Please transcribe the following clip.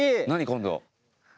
今度。